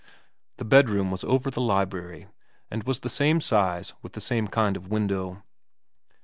The bedroom was over the library, and was the same size and with the same kind of window.